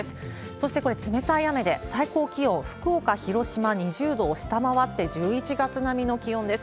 そしてこれ、冷たい雨で、最高気温、福岡、広島２０度を下回って、１１月並みの気温です。